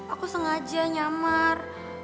aku sengaja nyamar